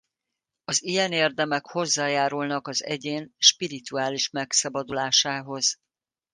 Az ilyen érdemek hozzájárulnak az egyén spirituális megszabadulásához.